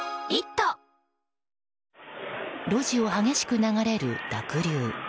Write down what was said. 路地を激しく流れる濁流。